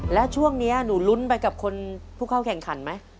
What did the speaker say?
แล้วช่วงนี้หนูลุ้นไปกับคนผู้เข้าแข่งขันไหม